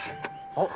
あっ。